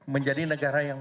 menjadi negara yang